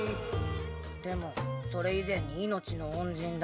でもそれ以前に命の恩人だ。